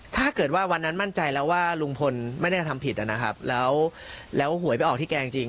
ถ้าเกิดว่าวันนั้นมั่นใจแล้วว่าลุงพลไม่ได้ทำผิดนะครับแล้วหวยไปออกที่แกจริง